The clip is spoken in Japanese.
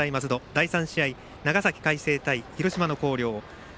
第３試合は長崎の海星対広島の広陵。